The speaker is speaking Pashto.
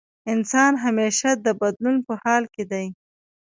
انسان همېشه د بدلون په حال کې دی.